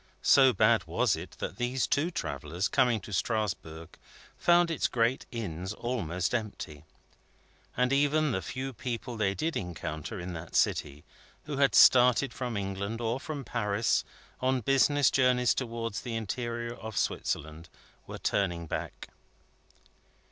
So bad was it that these two travellers, coming to Strasbourg, found its great inns almost empty. And even the few people they did encounter in that city, who had started from England or from Paris on business journeys towards the interior of Switzerland, were turning back.